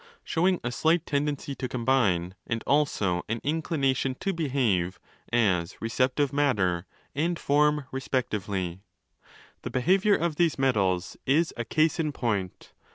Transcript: το one another—showing a slight tendency to combine and also an inclination to behave as 'receptive matter' and 'form' respectively. The behaviour of these metals is a case in point.